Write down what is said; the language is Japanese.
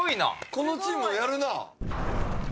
このチームやるなぁ。